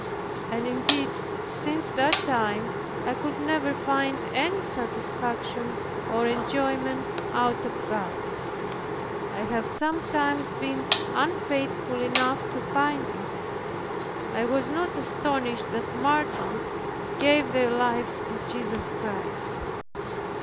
And indeed since that time, I could never find any satisfaction or enjoyment out of God. I have sometimes been unfaithful enough to find it. I was not astonished that martyrs gave their lives for Jesus Christ.